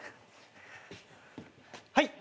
はい。